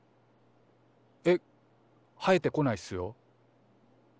えっ生えてこないっすよ。